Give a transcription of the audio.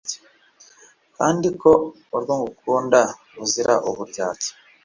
kandi ko urwo ngukunda ruzira uburyarya